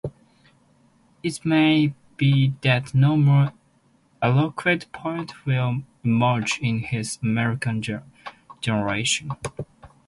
It may be that no more eloquent poet will emerge in his American generation.